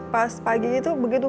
pas paginya itu begitu